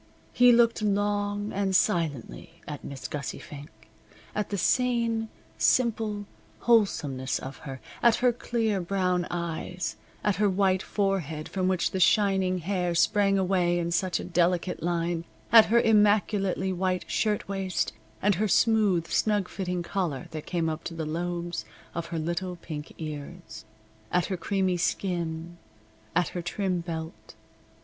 He looked long and silently at Miss Gussie Fink at the sane, simple, wholesomeness of her, at her clear brown eyes, at her white forehead from which the shining hair sprang away in such a delicate line, at her immaculately white shirtwaist, and her smooth, snug fitting collar that came up to the lobes of her little pink ears, at her creamy skin, at her trim belt.